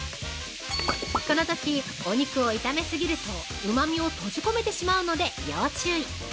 このとき、お肉を炒め過ぎるとうまみを閉じこめてしまうので要注意！